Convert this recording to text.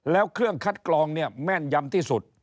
แล้วเครื่องคัดกรองเนี่ยแม่นยำที่สุด